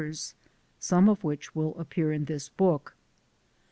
37 ters, some of which will appear in this book.